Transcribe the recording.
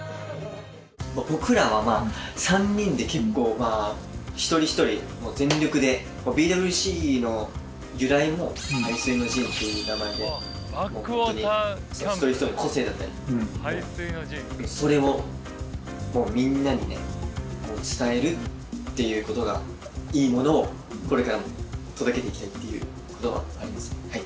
僕らは３人で結構まあ一人一人全力でＢＷＣの由来も「背水の陣」という名前で一人一人の個性だったりそれをみんなに伝えるっていうことがいいものをこれからも届けていきたいっていうことはありますはい。